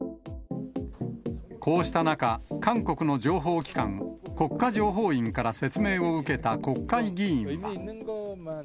こうした中、韓国の情報機関、国家情報院から説明を受けた国会議員は。